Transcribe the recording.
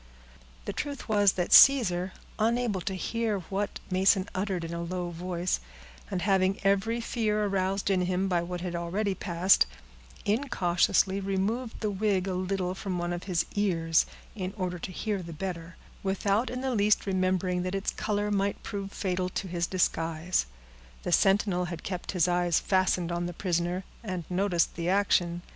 The truth was, that Caesar, unable to hear what Mason uttered in a low voice, and having every fear aroused in him by what had already passed, incautiously removed the wig a little from one of his ears, in order to hear the better, without in the least remembering that its color might prove fatal to his disguise. The sentinel had kept his eyes fastened on his prisoner, and noticed the action.